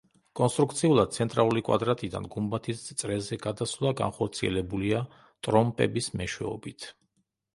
კონსტრუქციულად ცენტრალური კვადრატიდან გუმბათის წრეზე გადასვლა განხორციელებულია ტრომპების მეშვეობით.